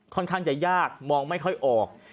ค่อนข้างจะยากมองไม่ค่อยออก